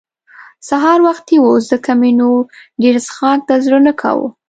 سهار وختي وو ځکه مې نو ډېر څښاک ته زړه نه کاوه.